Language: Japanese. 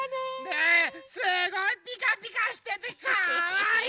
ねえすごいピカピカしててかわいい！